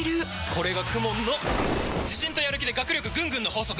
これがＫＵＭＯＮの自信とやる気で学力ぐんぐんの法則！